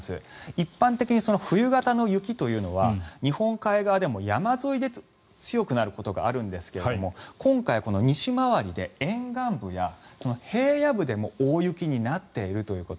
一般的に冬型の雪というのは日本海側でも山沿いで強くなることがあるんですが今回、西回りで沿岸部や平野部でも大雪になっているということ。